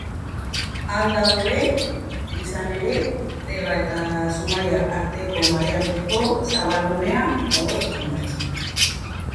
Han daude, izan ere, Deba eta Zumaia arteko marearteko zabalgunea eta bost hondartza.